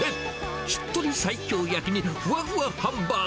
しっとり西京焼きに、ふわふわハンバーグ。